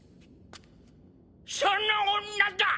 その女だ！